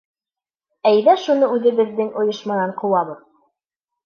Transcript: Әйҙә шуны үҙебеҙҙең ойошманан ҡыуабыҙ!